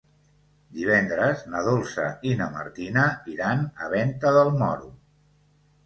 Divendres na Dolça i na Martina iran a Venta del Moro.